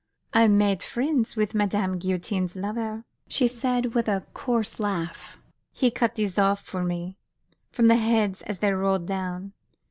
"I made friends with Madame Guillotine's lover," she said with a coarse laugh, "he cut these off for me from the heads as they rolled down.